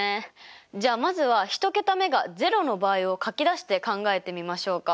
じゃあまずは１桁目が０の場合を書き出して考えてみましょうか。